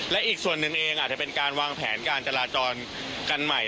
และอีกส่วนหนึ่งเองอาจจะเป็นการวางแผนการจราจรกันใหม่